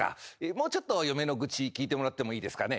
もうちょっと嫁の愚痴聞いてもらってもいいですかね。